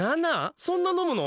そんな飲むの？